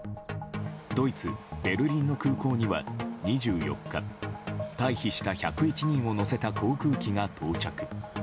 ドイツ・ベルリンの空港には２４日退避した１０１人を乗せた航空機が到着。